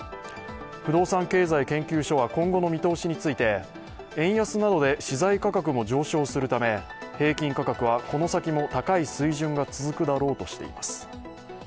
不動産経済研究所は今後の見通しについて、円安などで資材価格も上昇するため、平均価格はこの先も高い水準が続くだろうとしています。